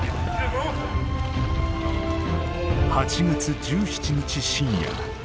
８月１７日深夜。